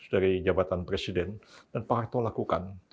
dari jabatan presiden dan pak harto lakukan